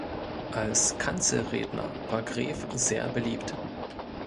Als Kanzelredner war Gräf sehr beliebt.